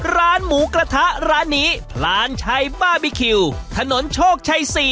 ร้านหมูกระทะร้านนี้พลานชัยบาร์บีคิวถนนโชคชัย๔